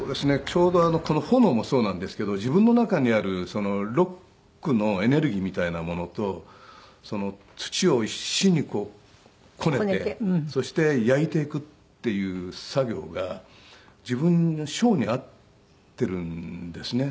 ちょうどこの炎もそうなんですけど自分の中にあるロックのエネルギーみたいなものと土を一心にこうこねてそして焼いていくっていう作業が自分の性に合っているんですね。